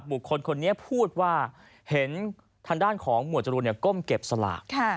คนนี้พูดว่าเห็นทางด้านของหมวดจรูนก้มเก็บสลาก